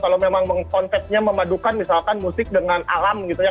kalau memang konsepnya memadukan misalkan musik dengan alam gitu ya